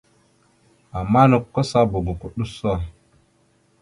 Ama nakw kasaba goko ɗʉso.